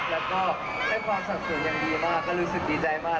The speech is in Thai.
แล้วก็ให้ความสับสนอย่างดีมากก็รู้สึกดีใจมาก